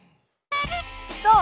そう！